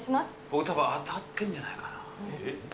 俺、たぶん当たってるんじゃないかな。